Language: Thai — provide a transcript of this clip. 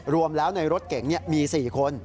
รวมแล้วในรถเก๋งมี๔คน